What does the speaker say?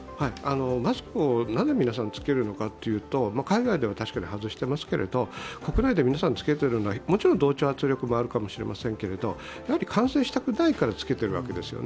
マスクをなぜ皆さん着けるかといいますと海外では確かに外していますけども国内で皆さん着けているのはもちろん同調圧力もあるかもしれませんが感染したくないから着けているわけですよね。